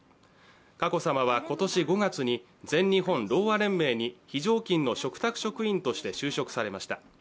佳子さまは今年５月に全日本ろうあ連盟に非常勤の嘱託職員として就職されました。